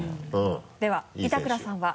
では板倉さんは？